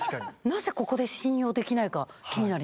なぜここで「信用できない」か気になります。